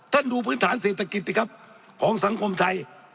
ดูพื้นฐานเศรษฐกิจสิครับของสังคมไทย